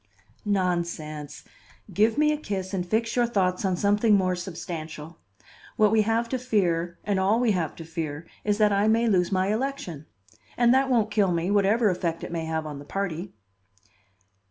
"Nonsense! give me a kiss and fix your thoughts on something more substantial. What we have to fear and all we have to fear is that I may lose my election. And that won't kill me, whatever effect it may have on the party."